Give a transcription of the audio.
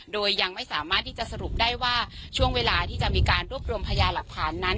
โดยยังไม่สามารถที่จะสรุปได้ว่าช่วงเวลาที่จะมีการรวบรวมพยาหลักฐานนั้น